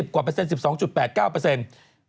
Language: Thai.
กว่าเปอร์เซ็น๑๒๘๙เปอร์เซ็นต์